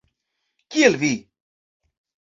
- Kiel vi?